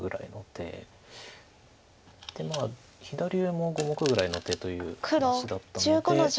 で左上も５目ぐらいの手という感じだったので。